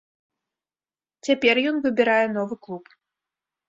Цяпер ён выбірае новы клуб.